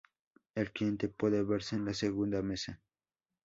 El cliente puede verse en la segunda mesa.